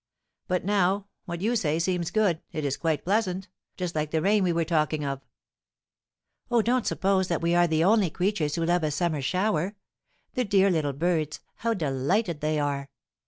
But now, what you say seems good, it is quite pleasant, just like the rain we were talking of." "Oh, don't suppose that we are the only creatures who love a summer shower! The dear little birds, how delighted they are!